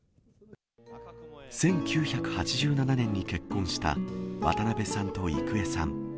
１９８７年に結婚した、渡辺さんと郁恵さん。